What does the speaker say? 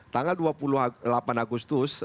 tanggal dua puluh delapan agustus